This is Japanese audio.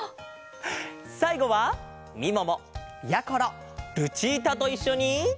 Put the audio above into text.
さいごはみももやころルチータといっしょに。